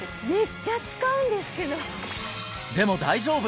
でも大丈夫！